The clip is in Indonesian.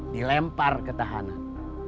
dilempar ke tahanan